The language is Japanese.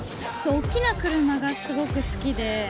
大きな車がすごく好きで。